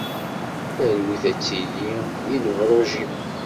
Talwit ad tili di lebṛuǧ-im.